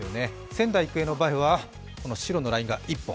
仙台育英の場合は色のラインが１本。